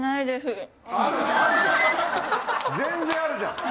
全然あるじゃん。